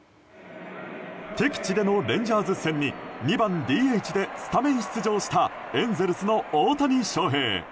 敵地でのレンジャーズ戦に２番ＤＨでスタメン出場したエンゼルスの大谷翔平。